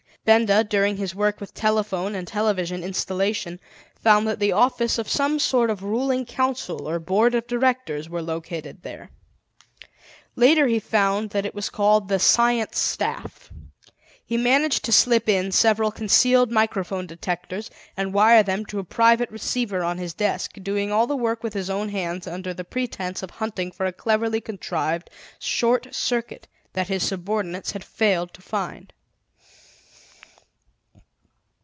Benda, during his work with telephone and television installation, found that the office of some sort of ruling council or board of directors were located there. Later he found that it was called the Science Staff. He managed to slip in several concealed microphone detectors and wire them to a private receiver on his desk, doing all the work with his own hands under the pretense of hunting for a cleverly contrived short circuit that his subordinates had failed to find.